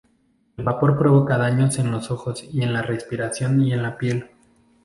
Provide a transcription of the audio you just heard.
El vapor provoca daños en los ojos, en la respiración y en la piel.